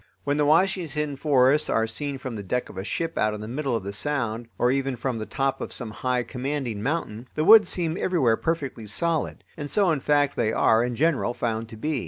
When the Washington forests are seen from the deck of a ship out in the middle of the sound, or even from the top of some high, commanding mountain, the woods seem everywhere perfectly solid. And so in fact they are in general found to be.